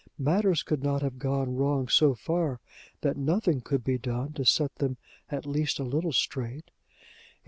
Matters could not have gone wrong so far that nothing could be done to set them at least a little straight!